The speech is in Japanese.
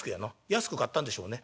「安く買ったんでしょうね」。